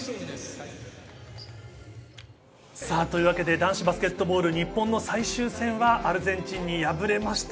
男子バスケットボール、日本の最終戦はアルゼンチンに敗れました。